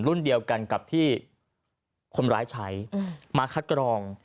รุ่นเดียวกันกับที่คนร้ายใช้มาคัดกรอง